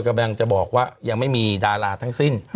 กำลังจะบอกว่ายังไม่มีดาราทั้งสิ้น